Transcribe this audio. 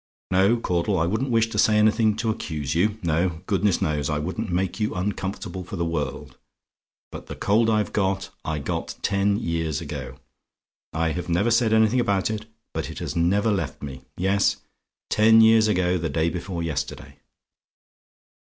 "No, Caudle; I wouldn't wish to say anything to accuse you: no, goodness knows, I wouldn't make you uncomfortable for the world, but the cold I've got, I got ten years ago. I have never said anything about it but it has never left me. Yes; ten years ago the day before yesterday.